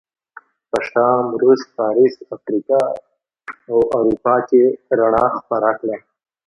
په شام، روم، فارس، افریقا او اروپا کې رڼا خپره کړه.